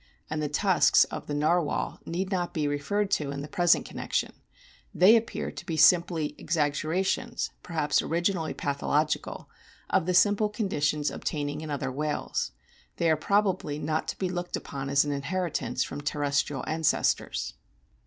220) and the tusks of the Narwhal need not be referred to in the present connection ; they appear to be simply exaggerations (perhaps originally pathological) of the simple con ditions obtaining in other whales ; they are probably not to be looked upon as an inheritance from terres trial ancestors.